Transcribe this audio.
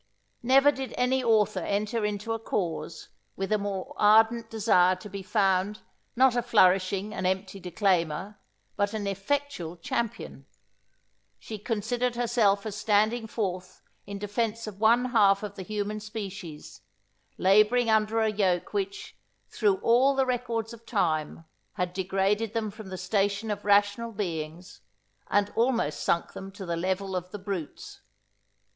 Never did any author enter into a cause, with a more ardent desire to be found, not a flourishing and empty declaimer, but an effectual champion. She considered herself as standing forth in defence of one half of the human species, labouring under a yoke which, through all the records of time, had degraded them from the station of rational beings, and almost sunk them to the level of the brutes.